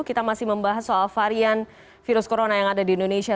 kita masih membahas soal varian virus corona yang ada di indonesia